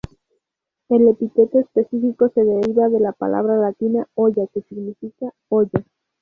El epíteto específico se deriva de la palabra latina "olla", que significa "olla".